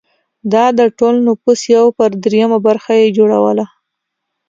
دا د ټول نفوس یو پر درېیمه برخه یې جوړوله